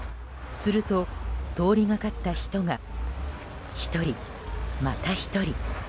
すると通りがかった人が１人、また１人。